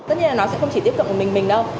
thế là nó sẽ không chỉ tiếp cận một mình mình đâu